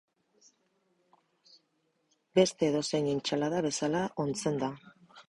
Beste edozein entsalada bezala ontzen da.